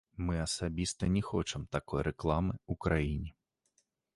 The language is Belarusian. Мы асабіста не хочам такой рэкламы ў краіне.